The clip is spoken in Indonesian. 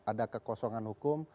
ada kekosongan hukum